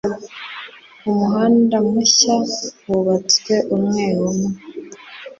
Umuhanda mushya wubatswe umwe umwe.